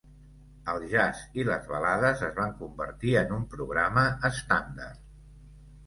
El jazz i les balades es van convertir en un programa estàndard.